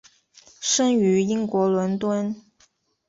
生于英国伦敦。